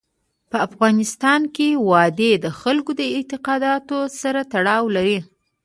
په افغانستان کې وادي د خلکو د اعتقاداتو سره تړاو لري.